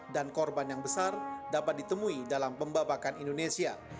dan korban yang besar dapat ditemui dalam pembabakan indonesia